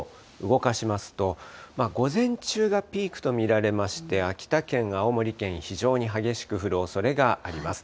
動かしますと、午前中がピークと見られまして、秋田県、青森県、非常に激しく降るおそれがあります。